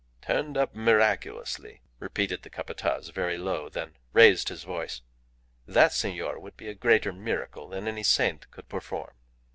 "Turned up miraculously," repeated the Capataz very low; then raised his voice. "That, senor, would be a greater miracle than any saint could perform."